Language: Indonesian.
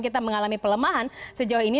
kita mengalami pelemahan sejauh ini